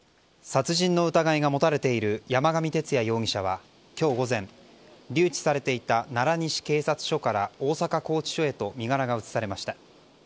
殺人の疑いが持たれている山上徹也容疑者は今日午前、留置されていた奈良西警察署から大阪拘置所へと身柄を移されました。